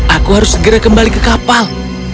aku harus segera kembali ke kapal